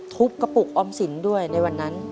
กระปุกออมสินด้วยในวันนั้น